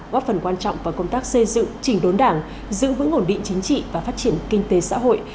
góp phần quan trọng vào công tác xây dựng chỉnh đốn đảng giữ vững ổn định chính trị và phát triển kinh tế xã hội